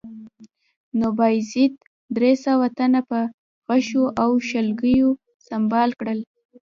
نو بایزید درې سوه تنه په غشو او شلګیو سنبال کړل